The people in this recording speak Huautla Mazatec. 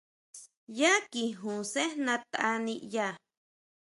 Yá kijun sejna tʼa niʼya.